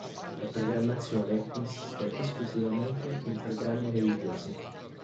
La programmazione consiste esclusivamente in programmi religiosi.